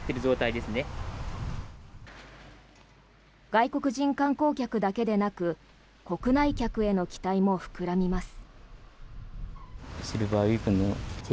外国人観光客だけでなく国内客への期待も膨らみます。